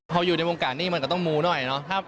พออยู่ในวงการนี้มันก็ต้องมูหน่อยเนาะ